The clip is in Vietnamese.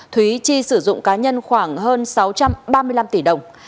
thúy chi sử dụng cá nhân khoảng hơn sáu trăm ba mươi năm tỷ đồng